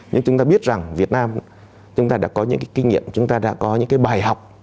nhưng chúng ta biết rằng việt nam chúng ta đã có những cái kinh nghiệm chúng ta đã có những cái bài học